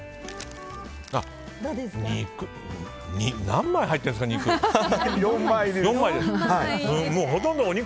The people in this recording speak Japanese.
何枚入ってるんですか、肉！